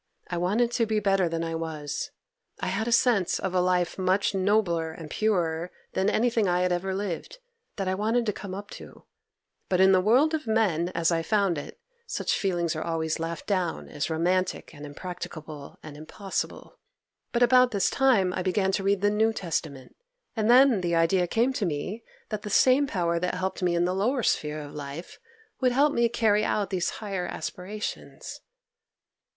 I wanted to be better than I was; I had a sense of a life much nobler and purer than anything I had ever lived, that I wanted to come up to. But in the world of men, as I found it, such feelings are always laughed down as romantic and impracticable and impossible. But about this time I began to read the New Testament, and then the idea came to me that the same Power that helped me in the lower sphere of life would help me carry out these higher aspirations.